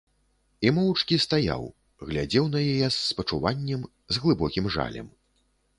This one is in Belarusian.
І моўчкі стаяў, глядзеў на яе з спачуваннем, з глыбокім жалем.